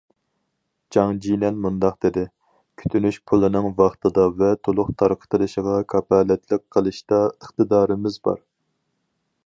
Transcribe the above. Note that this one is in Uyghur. جاڭ جىنەن مۇنداق دېدى: كۈتۈنۈش پۇلىنىڭ ۋاقتىدا ۋە تولۇق تارقىتىلىشىغا كاپالەتلىك قىلىشتا ئىقتىدارىمىز بار.